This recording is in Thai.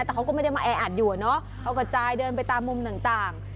แต่เขาก็ไม่ได้มาแออัดอยู่อะเนาะเขากระจายเดินไปตามมุมต่าง